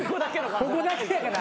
ここだけやから。